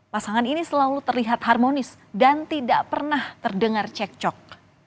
pasangan ini selalu terlihat harmonis dan tidak pernah terdengar cekcok